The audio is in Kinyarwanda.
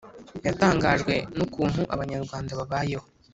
yatangajwe n'ukuntu abanyarwanda babayeho